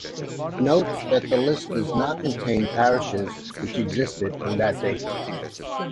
Note that the list does not contain parishes which existed on that date.